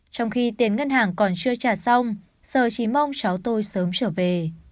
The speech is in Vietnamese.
trong khi tiền ngân hàng còn chưa trả xong sở chỉ mong cháu tôi sớm trở về